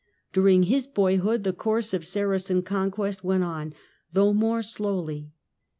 During his boyhood the course of Saracen conquest went on, though more slowly.